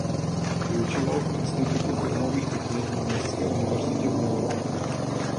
Vyučoval v "Institutu filmových technik" na městské univerzitě v New Yorku.